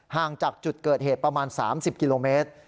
ห่างจากจุดเกิดเหตุประมาณ๓๐กิโลเมตร